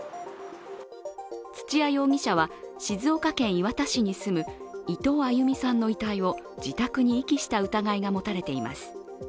土屋容疑者は静岡県磐田市に住む伊藤亜佑美さんの遺体を自宅に遺棄した疑いが持たれています。